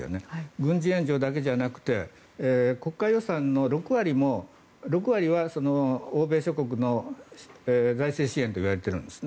軍事援助だけじゃなくて国家予算の６割は欧米諸国の財政支援といわれているんですね。